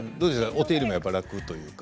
お手入れもやっぱ楽というか？